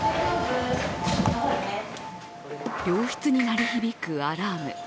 病室に鳴り響くアラーム。